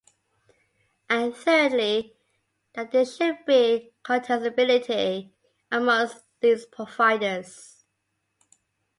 And thirdly that there should be 'contestability' amongst these providers.